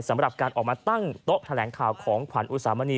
สำหรับการออกมาตั้งโต๊ะแถลงข่าวของขวัญอุสามณี